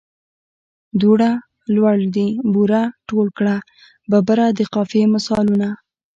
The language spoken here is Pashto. دوړه، لوړ دي، بوره، ټول کړه، ببره د قافیې مثالونه.